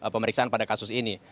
pemeriksaan pada kasus ini